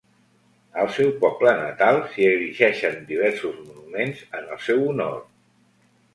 Al seu poble natal s'hi erigeixen diversos monuments en el seu honor.